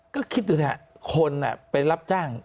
ก็คิดอยู่แหละเขาเนี่ยเป็นรัฐจ้าง